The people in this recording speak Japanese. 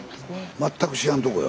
全く知らんとこよ。